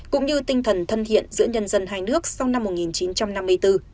cũng như tinh thần thân thiện giữa nhân dân hai nước sau năm một nghìn chín trăm năm mươi bốn